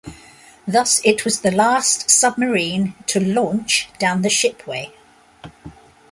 Thus, it was the last submarine to "launch" down the shipway.